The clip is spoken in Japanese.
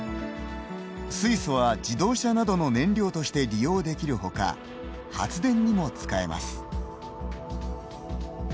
水素は、自動車などの燃料として利用できるほか発電にも使えます。